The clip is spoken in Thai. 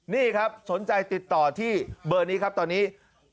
นี่ครับสนใจติดต่อที่เบอร์นี้ครับตอนนี้